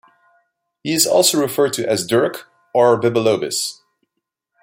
He is also referred to as Dirk or Bibelobis.